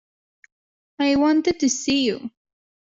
I wanted to see you.